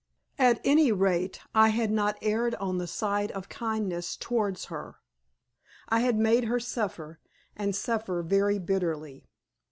At any rate I had not erred on the side of kindness towards her! I had made her suffer, and suffer very bitterly.